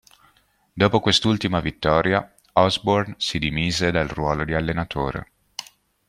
Dopo quest'ultima vittoria, Osborne si dimise dal ruolo di allenatore.